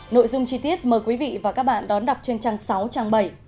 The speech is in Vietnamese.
nội dung chi tiết mời quý vị và các bạn đón đọc trên trang sáu trang bảy